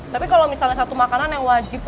tapi kalau misalnya satu makanan yang wajib